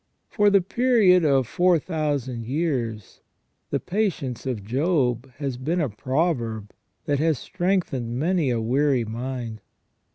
For the period of four thousand years the patience of Job has been a proverb that has strengthened many a weary mind.